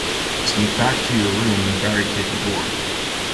Sneak back to your room and barricade the door.